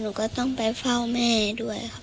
ก็ต้องไปเฝ้าแม่ด้วยครับ